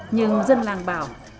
nhưng dân làng bảo